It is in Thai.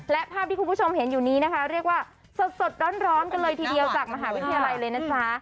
และภาพที่คุณผู้ชมเห็นอยู่นี้นะคะเรียกว่าสดร้อนกันเลยทีเดียวจากมหาวิทยาลัยเลยนะจ๊ะ